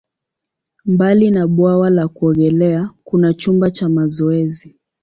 Mbali na bwawa la kuogelea, kuna chumba cha mazoezi.